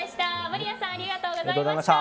守屋さんありがとうございました。